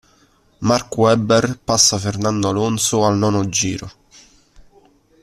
Mark Webber passa Fernando Alonso al nono giro.